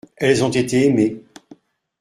Elles ont été aimées.